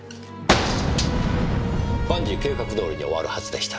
万事計画通りに終わるはずでした。